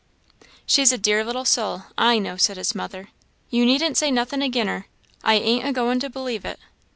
"She's a dear little soul, I know," said his mother; "you needn't say nothin' agin her, I ain't agoing to believe it."